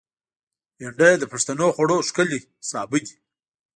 بېنډۍ د پښتنو خوړو ښکلی سابه دی